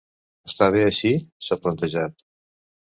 Està bé així?, s’ha plantejat.